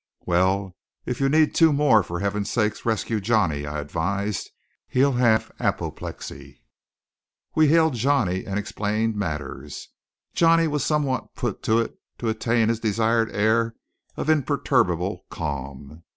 "Well, if you need two more, for heaven's sake rescue Johnny," I advised. "He'll have apoplexy." We hailed Johnny and explained matters. Johnny was somewhat put to it to attain his desired air of imperturbable calm.